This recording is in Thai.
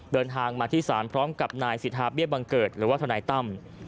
เดินทางมาที่ศาลพร้อมกับนายสิทธาเบี้ยบังเกิดหรือว่าทนายตั้ม